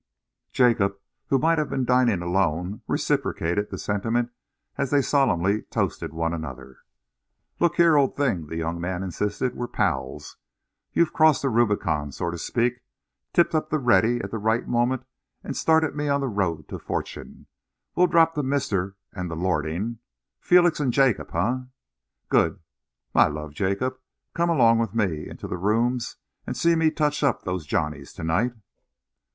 Jacob, who might have been dining alone, reciprocated the sentiment as they solemnly toasted one another. "Look here, old thing," the young man insisted, "we're pals. You've crossed the Rubicon, so to speak tipped up the ready at the right moment and started me on the road to fortune. We'll drop the 'Mr.' and the 'Lord' ing. Felix and Jacob, eh? Good! My love, Jacob. Come along with me into the Rooms and see me touch up those Johnnies to night."